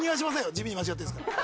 地味に間違ってるんですから。